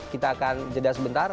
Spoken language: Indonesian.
kita akan jeda sebentar